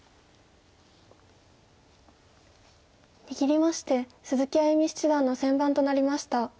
握りまして鈴木歩七段の先番となりました。